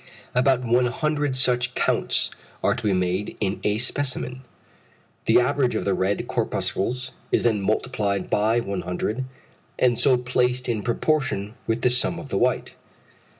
About 100 such counts are to be made in a specimen. The average of the red corpuscles is then multiplied by 100 and so placed in proportion with the sum of the white.